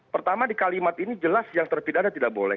pertama di kalimat ini jelas yang terpidana tidak boleh